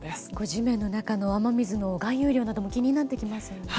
地面の中の雨水の含有量なども気になってきますね。